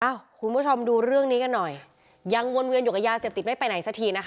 อ้าวคุณผู้ชมดูนี้ก็หน่อย